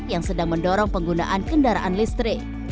yang sedang mendorong penggunaan kendaraan listrik